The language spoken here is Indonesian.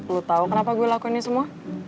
lo tau kenapa gue lakuin ini semua